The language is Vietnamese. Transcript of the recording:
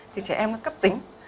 thì trẻ em nó cấp tính